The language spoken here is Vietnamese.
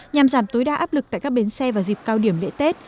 nhằm giảm tối đa áp lực tại các bến xe vào dịp cao điểm lễ tết